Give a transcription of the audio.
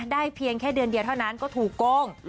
เพียงแค่เดือนเดียวเท่านั้นก็ถูกโกง